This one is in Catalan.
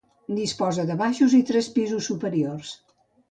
Disposa de baixos i tres pisos superiors.